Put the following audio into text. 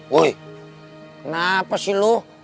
woy kenapa sih lo